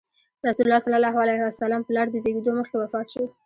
رسول الله ﷺ پلار د زېږېدو مخکې وفات شو.